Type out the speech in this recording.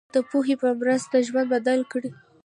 د پوهې په مرسته ژوند بدل کړئ.